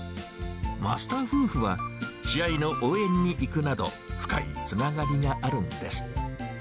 マスター夫婦は、試合の応援に行くなど、深いつながりがあるんです。